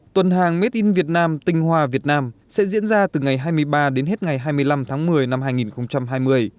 tuần hàng made in vietnam tinh hoa việt nam sẽ diễn ra từ ngày hai mươi ba đến hết ngày hai mươi năm tháng một mươi năm hai nghìn hai mươi